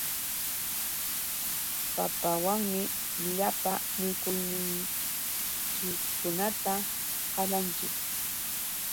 Papawanmi llapa mikuyninchikkunata qalanchik.